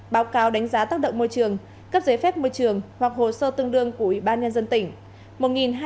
báo cáo đánh giá tác động môi trường cấp giấy phép môi trường hoặc hồ sơ tương đương của ủy ban nhân dân tỉnh